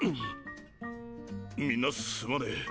みんなすまねぇ。